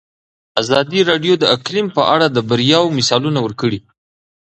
ازادي راډیو د اقلیم په اړه د بریاوو مثالونه ورکړي.